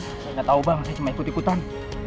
saya tidak tahu saya cuma ikut ikutan